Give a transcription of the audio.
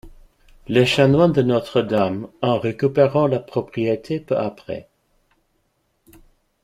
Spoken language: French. Les chanoines de Notre-Dame en récupèrent la propriété peu après.